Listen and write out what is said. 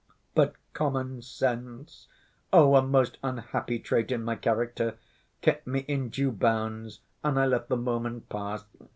But common sense—oh, a most unhappy trait in my character—kept me in due bounds and I let the moment pass!